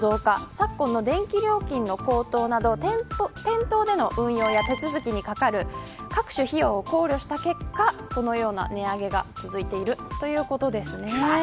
昨今の電気料金の高騰など店頭での運用や手続きにかかる各種費用を考慮した結果このような値上げが続いているということです。